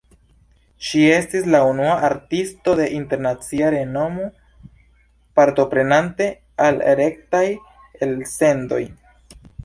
Ŝi estis la unua artisto de internacia renomo partoprenante al rektaj elsendoj.